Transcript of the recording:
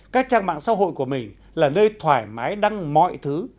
các trang mạng xã hội của mình là nơi thoải mái đăng mọi thứ